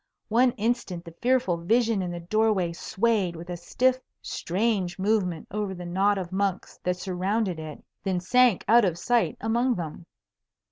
One instant the fearful vision in the door way swayed with a stiff strange movement over the knot of monks that surrounded it, then sank out of sight among them.